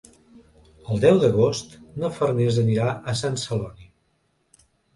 El deu d'agost na Farners anirà a Sant Celoni.